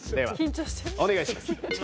ではお願いします。